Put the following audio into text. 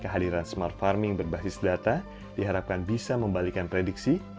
kehadiran smart farming berbasis data diharapkan bisa membalikan prediksi